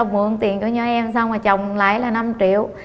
mượn tiền của nhỏ em xong rồi trồng lại là năm triệu